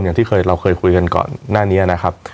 อย่างที่เราเคยคุยกันก่อนหน้านี้นะครับ